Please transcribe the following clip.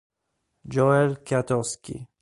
Joel Kwiatkowski